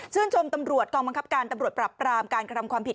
ชมตำรวจกองบังคับการตำรวจปรับปรามการกระทำความผิด